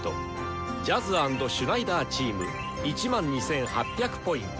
ジャズ＆シュナイダーチーム１２８００Ｐ。